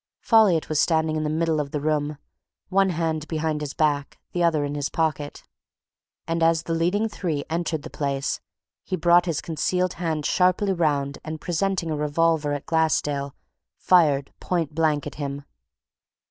Folliot was standing in the middle of the room, one hand behind his back, the other in his pocket. And as the leading three entered the place he brought his concealed hand sharply round and presenting a revolver at Glassdale fired point blank at him.